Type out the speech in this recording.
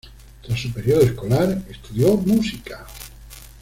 Tras su período escolar estudió música.